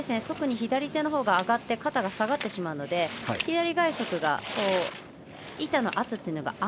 特に左手のほうが上がって肩が下がってしまうので左外足が板の圧というのが